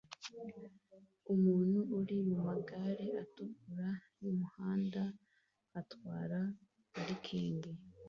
Umuntu uri mumagare atukura yumuhanda atwara parikingi